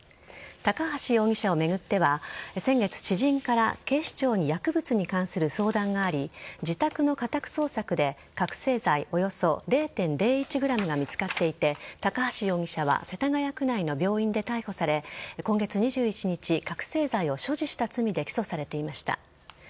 高橋容疑者を巡っては、先月知人から警視庁に薬物に関する相談があり自宅の家宅捜索で覚醒剤およそ０．０１ｇが見つかっていて高橋容疑者は世田谷区内の病院で逮捕され今月２１日覚醒剤を所持した罪で起訴されていました。